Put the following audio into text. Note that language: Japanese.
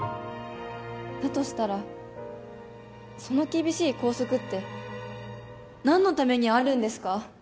だとしたらその厳しい校則って何のためにあるんですか？